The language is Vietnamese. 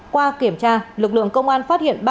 qua kiểm tra lực lượng công an phát hiện